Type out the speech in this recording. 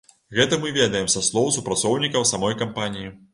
Гэта мы ведаем са слоў супрацоўнікаў самой кампаніі.